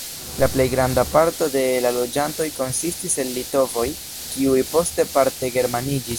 La plej granda parto de la loĝantoj konsistis el litovoj, kiuj poste parte germaniĝis.